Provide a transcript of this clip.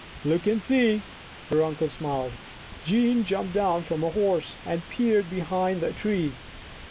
" Look and see," her uncle smiled. Jean jumped down from her horse and peered behind the tree.